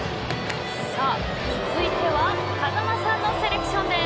続いては風間さんのセレクションです。